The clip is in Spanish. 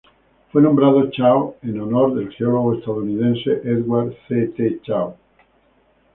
Fue nombrado Chao en honor al geólogo estadounidense Edward C. T. Chao.